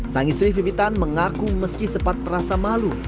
sang istri vivitan mengaku meski sempat merasa malu